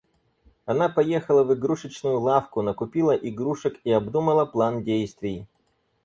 Она поехала в игрушечную лавку, накупила игрушек и обдумала план действий.